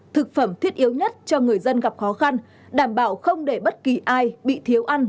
thực phẩm thiết yếu nhất cho người dân gặp khó khăn đảm bảo không để bất kỳ ai bị thiếu ăn